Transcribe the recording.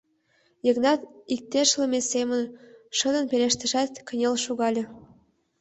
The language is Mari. — Йыгнат иктешлыме семын шыдын пелештышат, кынел шогале.